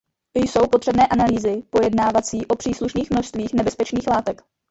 Jsou potřebné analýzy pojednávající o příslušných množstvích nebezpečných látek.